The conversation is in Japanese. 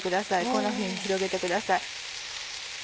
こんなふうに広げてください。